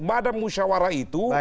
badan musyawara itu